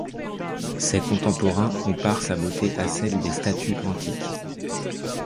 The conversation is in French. Ses contemporains comparent sa beauté à celle des statues antiques.